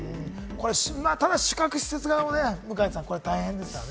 ただ、宿泊施設側も大変ですよね？